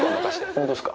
本当ですか。